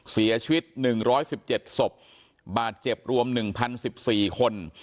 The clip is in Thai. เสียชีวิต๑๑๗ศพบาดเจ็บรวม๑๐๑๔คน